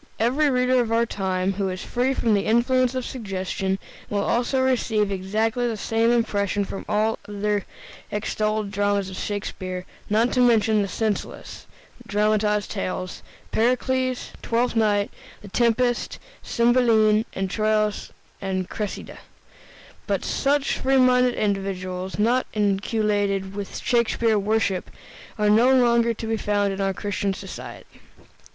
Every reader of our time, who is free from the influence of suggestion, will also receive exactly the same impression from all the other extolled dramas of Shakespeare, not to mention the senseless, dramatized tales, "Pericles," "Twelfth Night," "The Tempest," "Cymbeline," "Troilus and Cressida." But such free minded individuals, not inoculated with Shakespeare worship, are no longer to be found in our Christian society.